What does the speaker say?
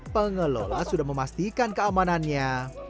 pengelola sudah memastikan keamanannya